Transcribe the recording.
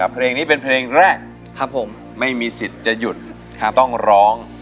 เพลงนี้เป็นเพลงแรกครับผมไม่มีสิทธิ์จะหยุดต้องร้อง